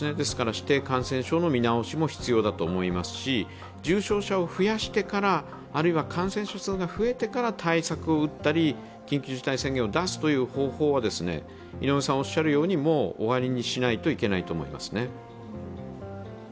指定感染症の見直しも必要だと思いますし重症者を増やしてから、あるいは感染者数が増えてから対策を打ったり、緊急事態宣言を出すという方向は、もう終わりにしないといけないと思います。